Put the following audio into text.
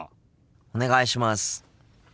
お願いします。